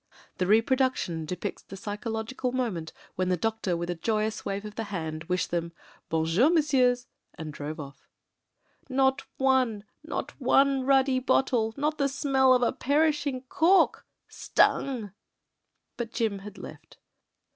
The ^'reproduction" depicts the psychological moment when the doctor with a joyous wave of the hand wished them ''Bonjour, messieurs/' and drove off. "Not one — not one ruddy bottle — not the smell of a perishing cork. Stung!" But Jim had left.